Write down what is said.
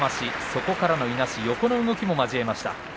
そこからのいなし横の動きも交えました。